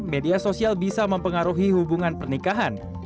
media sosial bisa mempengaruhi hubungan pernikahan